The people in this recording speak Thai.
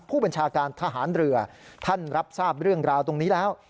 ผู้บัญชาการทหารเรือท่านรับทราบเรื่องราวตรงนี้แล้ว